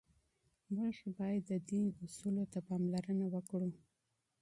موږ باید د دین اصولو ته پاملرنه وکړو.